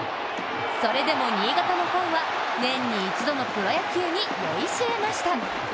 それでも新潟のファンは年に一度のプロ野球に酔いしれました。